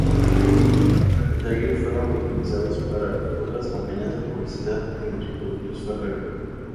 Varios de ellos fueron reutilizados para otras campañas de publicidad de los productos Ferrero.